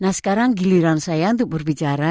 nah sekarang giliran saya untuk berbicara